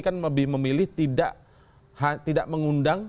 kan lebih memilih tidak mengundang